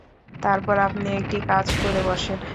তারপর আপনি একটি কাজ করে বসেন।